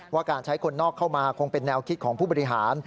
ว่าการใช้คนนอกเข้ามาคงเป็นแนวคิดของผู้บริหาร